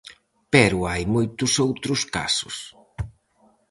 Pero hai moitos outros casos.